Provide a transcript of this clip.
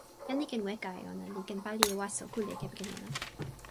jan li ken weka e ona li ken pali e waso kule kepeken ona.